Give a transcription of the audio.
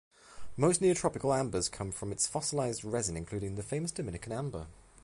Most neotropical ambers come from its fossilized resin, including the famous Dominican amber.